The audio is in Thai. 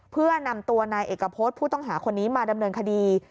เพื่อนำตัวนายเอกพฤษผู้ต้องหาคนนี้มาดำเนินคดี